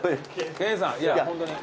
研さんいやホントに。